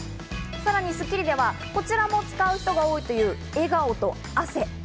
さらに『スッキリ』では、こちらも使う人が多いという笑顔と汗。